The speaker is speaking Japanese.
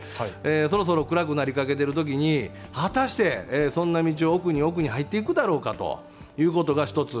そろそろ暗くなりかけているときに果たしてそんな道を奥に入っていくだろうかということが一つ。